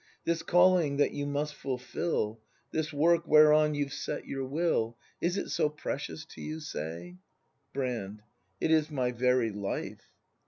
] This calling that you must fulfil, This work, whereon you've set your will. Is it so precious to you, say ? Brand. It is my very life!